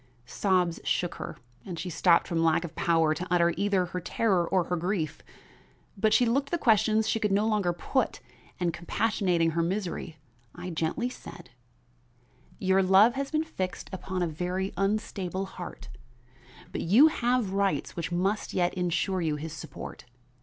Sobs shook her and she stopped from lack of power to utter either her terror or her grief. But she looked the questions she could no longer put, and compassionating her misery, I gently said: "Your love has been fixed upon a very unstable heart; but you have rights which must yet insure you his support.